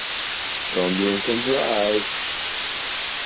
Don’t drink and drive.